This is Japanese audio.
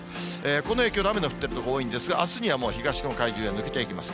この影響で雨の降ってる所多いんですが、あすにはもう東の海上へ抜けていきます。